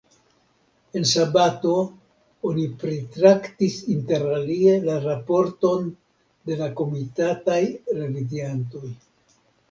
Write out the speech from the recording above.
En sabato oni pritraktis interalie la raporton de la komitataj reviziantoj.